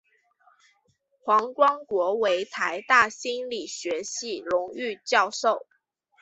黄光国为台大心理学系荣誉教授。